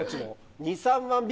２３万匹？